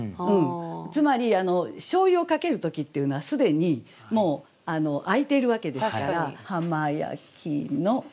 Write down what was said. つまり醤油をかける時っていうのは既にもう開いているわけですから「浜焼きの浅蜊」。